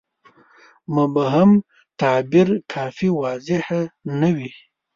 مبهم تعبیر کافي واضحه نه وي.